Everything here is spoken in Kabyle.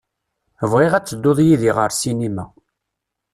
Bɣiɣ ad tedduḍ yid-i ɣer sinima.